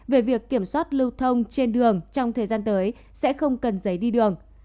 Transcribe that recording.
về việc kiểm soát lưu thông trên đường trong thời gian tới sẽ không cần giấy đi đường